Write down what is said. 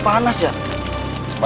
jangan sampai kita terlambat